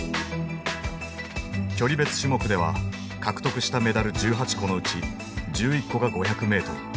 距離別種目では獲得したメダル１８個のうち１１個が５００ｍ。